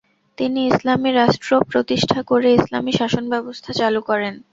তিনি ইসলামি রাষ্ট্র প্রতিষ্ঠা করে ইসলামি শাসনব্যবস্থা চালু করেন।